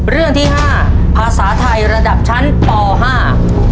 เรื่องที่ห้าภาษาไทยระดับชั้นปห้า